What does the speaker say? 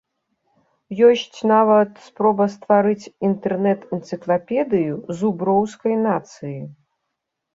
Ёсць нават спроба стварыць інтэрнэт-энцыклапедыю зуброўскай нацыі.